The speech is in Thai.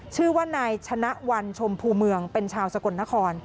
ชื่อว่านายชนะวันชมพูเมืองเป็นชาวสกลนคร